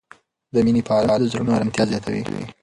د مینې پالنه د زړونو آرامتیا زیاتوي.